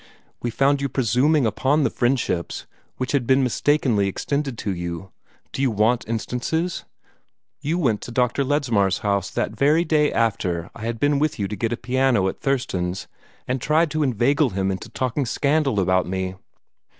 We found you presuming upon the friendships which had been mistakenly extended to you. Do you want instances? You went to Dr. Ledsmar's house that very day after I had been with you to get a piano at Thurston's, and tried to inveigle him into talking scandal about me.